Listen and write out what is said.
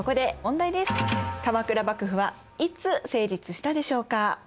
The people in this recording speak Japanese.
鎌倉幕府はいつ成立したでしょうか？